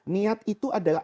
niat itu adalah